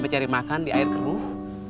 mencari makan di air keruh